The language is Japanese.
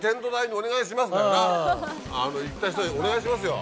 だよな行った人お願いしますよ。